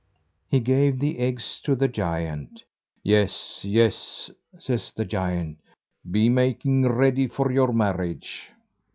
He gave the eggs to the giant. "Yes, yes!" says the giant, "be making ready for your marriage."